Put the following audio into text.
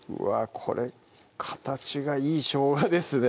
これ形がいいしょうがですね